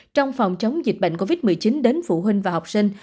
trong phòng chống dịch bệnh covid một mươi chín đến phụ huynh và học sinh